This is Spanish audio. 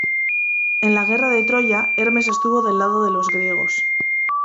En la Guerra de Troya Hermes estuvo del lado de los griegos.